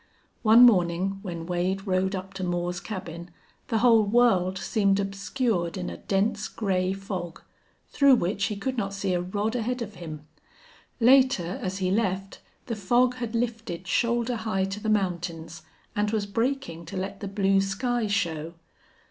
One morning, when Wade rode up to Moore's cabin, the whole world seemed obscured in a dense gray fog, through which he could not see a rod ahead of him. Later, as he left, the fog had lifted shoulder high to the mountains, and was breaking to let the blue sky show.